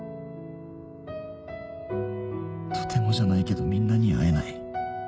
とてもじゃないけどみんなに会えない。